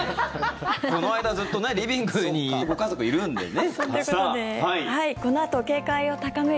この間ずっとリビングにご家族がいるんでね。